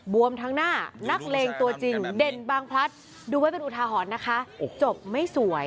วมทั้งหน้านักเลงตัวจริงเด่นบางพลัดดูไว้เป็นอุทาหรณ์นะคะจบไม่สวย